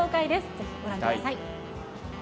ぜひご覧ください。